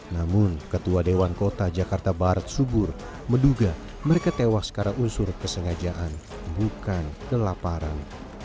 namun ketua dewan kota jakarta barat subur menduga mereka tewas karena unsur kesengajaan bukan kelaparan